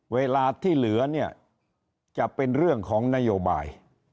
เวลาที่เหลือเนี่ยจะเป็นเรื่องของนโยบาย